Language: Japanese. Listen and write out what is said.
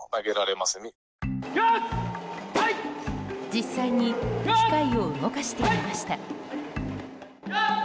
実際に機械を動かしてみました。